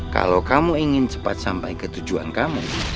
kalau kamu ingin cepat sampai ke tujuan kamu